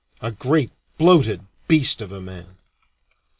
A great bloated beast of a man!